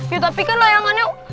yuk tapi kan lo yang aneh